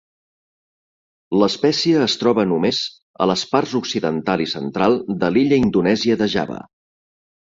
L'espècie es troba només a les parts occidental i central de l'illa indonèsia de Java.